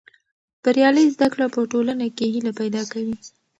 بریالۍ زده کړه په ټولنه کې هیله پیدا کوي.